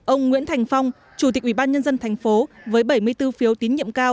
ông nguyễn thành phong chủ tịch ủy ban nhân dân thành phố với bảy mươi bốn phiếu tín nhiệm cao